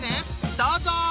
どうぞ！